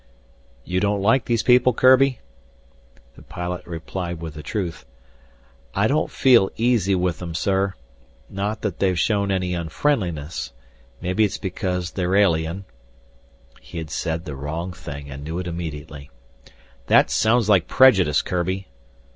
"You don't like these people, Kurbi?" The pilot replied with the truth. "I don't feel easy with them, sir. Not that they've shown any unfriendliness. Maybe it's because they're alien " He had said the wrong thing and knew it immediately. "That sounds like prejudice, Kurbi!"